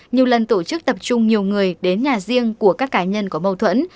nhiều lần tổ chức tập trung nhiều người đến nhà riêng của các cá nhân có mâu thuẫn